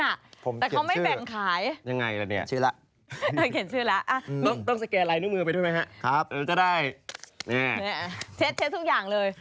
แต่เขาไม่แบ่งขายจนได้เหรอเนี่ย